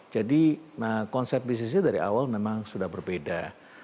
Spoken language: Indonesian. jadi konsep bisnisnya dari awal memang sudah berbeda